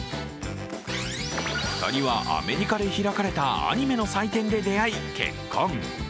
２人は、アメリカで開かれたアニメの祭典で出会い、結婚。